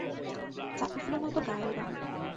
চাঁপা ফুলের মতো গায়ের রঙ।